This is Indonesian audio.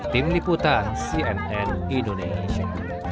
tim liputan cnn indonesia